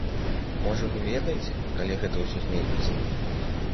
Можа, вы ведаеце, калі гэта ўсё зменіцца?